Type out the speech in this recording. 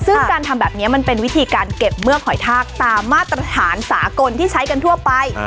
ซึ่งการทำแบบนี้มันเป็นวิธีการเก็บเมือกหอยทากตามมาตรฐานสากลที่ใช้กันทั่วไป